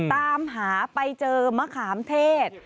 ตามหาไปเจอมะขามเทศ